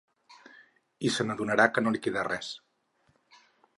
I s’adonarà que no li queda res.